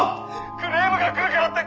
「クレームが来るからってッ！